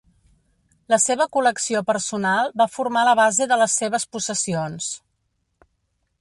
La seva col·lecció personal va formar la base de les seves possessions.